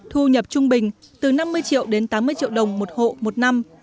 thu nhập trung bình từ năm mươi triệu đến tám mươi triệu đồng một hộ một năm